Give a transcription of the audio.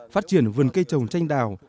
phát triển vườn cây trồng tranh đào